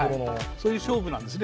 そういう勝負なんですね。